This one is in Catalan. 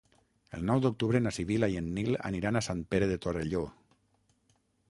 El nou d'octubre na Sibil·la i en Nil aniran a Sant Pere de Torelló.